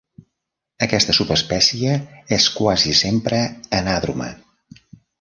Aquesta subespècie és quasi sempre anàdroma.